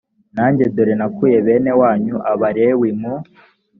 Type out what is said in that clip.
nanjye dore nakuye bene wanyu abalewi mu